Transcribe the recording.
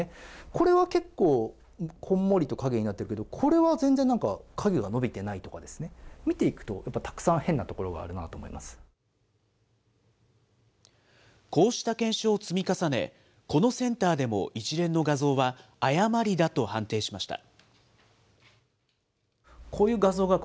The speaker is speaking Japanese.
これは結構こんもりと影になってるけど、これは全然なんか影が伸びてないとかですね、見ていくと、こういったたくさん変な所があるこうした検証を積み重ね、このセンターでも一連の画像は誤りだと判定しました。